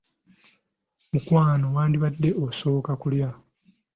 Mukwano wandibadde osooka kulya.